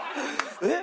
えっ？